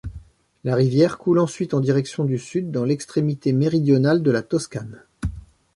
La rivière coule ensuite en direction du sud dans l'extrémité méridionale de la Toscane.